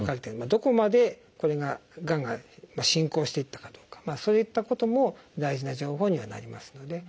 どこまでこれががんが進行していったかどうかそういったことも大事な情報にはなりますので。